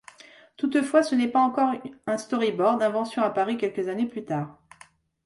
Toutefois ce n'est pas encore un storyboard, invention apparue quelques années plus tard.